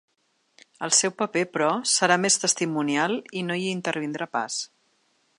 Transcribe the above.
El seu paper, però, serà més testimonial i no hi intervindrà pas.